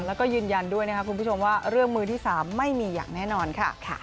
แล้วก็ยืนยันด้วยนะครับคุณผู้ชมว่าเรื่องมือที่๓ไม่มีอย่างแน่นอนค่ะ